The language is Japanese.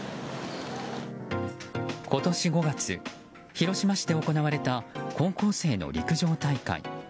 今年５月、広島市で行われた高校生の陸上大会。